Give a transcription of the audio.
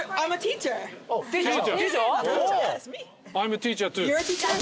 ティーチャー？